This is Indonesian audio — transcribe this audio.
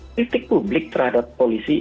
kritik publik terhadap polisi